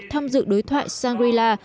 tham dự đối thoại shangri la